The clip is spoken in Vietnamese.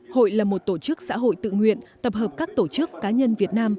hội là một tổ chức xã hội tự nguyện tập hợp các tổ chức cá nhân việt nam